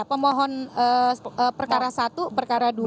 pemohon perkara satu perkara dua